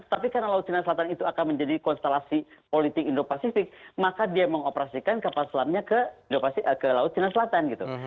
tapi karena laut cina selatan itu akan menjadi konstelasi politik indo pasifik maka dia mengoperasikan kapal selamnya ke laut cina selatan gitu